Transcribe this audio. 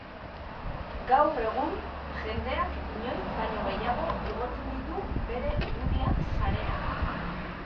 Gaur egun, jendeak inoiz baino gehiago igotzen ditu bere irudiak sarera.